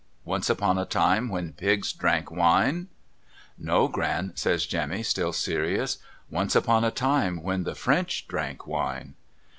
'Once upon a time when pigs drank wine ?' 'No (rran,' says Jemmy, still serious; 'once upon a time when the French drank wine.'